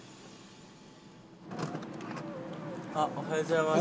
おはようございます。